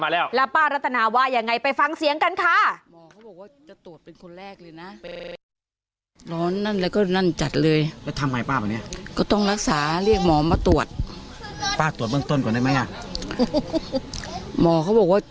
แล้วป้ารัตนาว่าอย่างไรไปฟังเสียงกันค่ะ